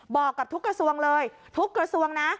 บอกกับทุกกระทรวงเลยทุกกระทรวงนะ